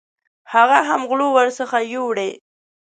هغه هم غلو ورڅخه یوړې.